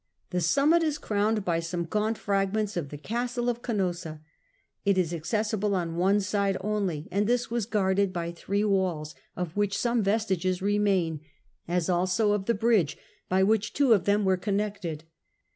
The summit is crowned by some gaunt fragments of the castle of Canossa. It is accessible on one side only, and this was guarded by three walls, of which some vestiges remain, as also of the bridge by which two of them were connected.